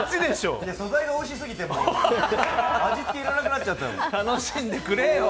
素材がおいしすぎて味付け要らなくなっちゃったよ。